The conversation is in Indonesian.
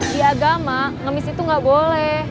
di agama ngemis itu nggak boleh